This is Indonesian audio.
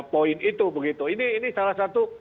poin itu begitu ini salah satu